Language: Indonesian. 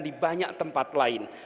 di banyak tempat lain